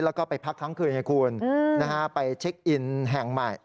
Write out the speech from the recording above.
แล้วก็ไปพักทั้งคืนให้คุณไปเช็คอินแห่งใหม่